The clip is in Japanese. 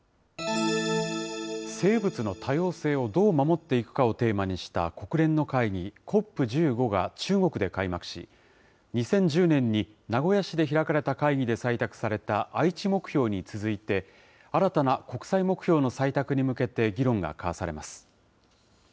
生物の多様性をどう守っていくかをテーマにした国連の会議、ＣＯＰ１５が中国で開幕し、２０１０年に名古屋市で開かれた会議で採択された愛知目標に続いて、新たな国際目標の採択に向けて議論が交わされます。